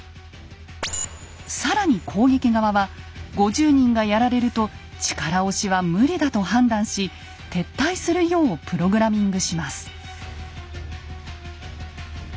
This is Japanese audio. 更に攻撃側は５０人がやられると力押しは無理だと判断し撤退するようプログラミングします。